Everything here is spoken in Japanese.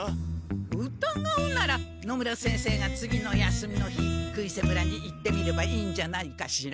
うたがうなら野村先生が次の休みの日杭瀬村に行ってみればいいんじゃないかしら？